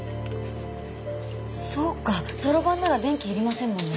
そうかそろばんなら電気いりませんもんね。